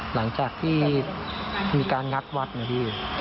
หลังจากที่มีการงัดวัดนะพี่